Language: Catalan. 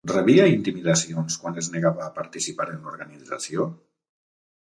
Rebia intimidacions quan es negava a participar en l'organització?